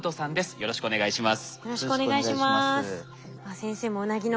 よろしくお願いします。